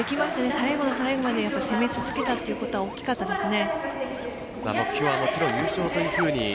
最後の最後まで攻め続けたということが大きかったですね。